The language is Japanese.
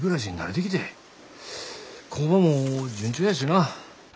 工場も順調やしな。